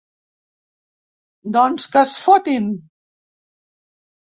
Doncs que es fotin!